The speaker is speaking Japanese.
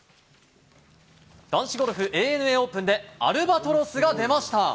男子ゴルフＡＮＡオープンで、アルバトロスが出ました。